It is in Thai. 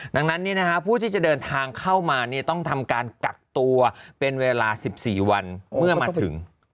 ดังนั้นนี่นะคะผู้ที่จะเดินทางเข้ามาเนี่ยต้องทำการกักตัวเป็นเวลาสิบสี่วันเมื่อมาถึง